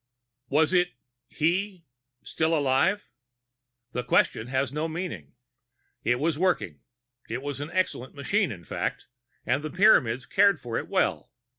Was it he? still alive? The question has no meaning. It was working. It was an excellent machine, in fact, and the Pyramids cared for it well.